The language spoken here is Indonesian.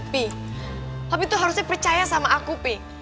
pi papi tuh harusnya percaya sama aku pi